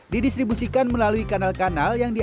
kita bisa memprediksi